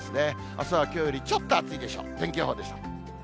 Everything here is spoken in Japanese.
あすはきょうよりちょっと暑いでしょう。